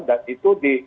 dan itu di